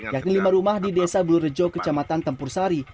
yakni lima rumah di desa blurejo kecamatan tempur sari